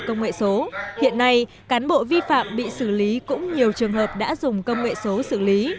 công nghệ số hiện nay cán bộ vi phạm bị xử lý cũng nhiều trường hợp đã dùng công nghệ số xử lý